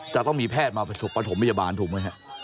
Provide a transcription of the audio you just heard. จะต้องมีแพทย์มาส่งไปส่งโรงพยาบาลถูกไหมฮะ